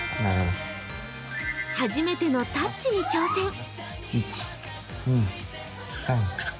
初めてのたっちに挑戦。